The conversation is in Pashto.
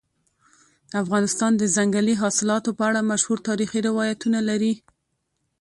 افغانستان د ځنګلي حاصلاتو په اړه مشهور تاریخي روایتونه لري.